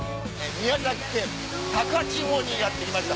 宮崎県高千穂にやって来ました。